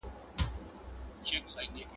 که ماشوم تمرکز وکړي بریالی کېږي.